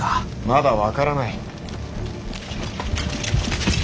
まだ分からない。